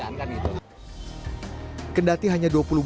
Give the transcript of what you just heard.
alasannya hanya dua puluh bulan menjawab presiden rekam jejaks gusdur dalam merawat